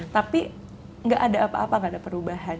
tapi gak ada apa apa gak ada perubahan